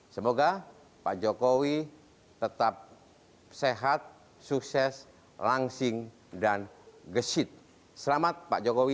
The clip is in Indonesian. semoga pak jokowi tetap sehat sukses langsing dan gesit selamat pak jokowi